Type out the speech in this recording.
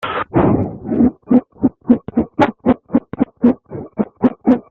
Le territoire diocésain comprend les départements de Tacuarembó et de Rivera.